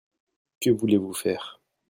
Que voulez-vous faire ?